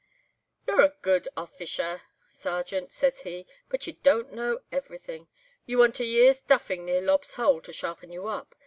"'Ye're a good offisher, Sergeant,' says he, 'but you don't know everything. You want a year's duffing near Lobb's Hole to sharpen you up.